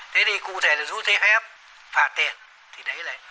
thế thì cụ thể là giúp thêm phép phạt tiền thì đấy là